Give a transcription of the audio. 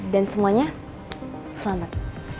dan semuanya selamat